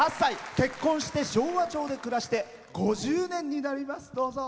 結婚して昭和町で暮らして５０年になります。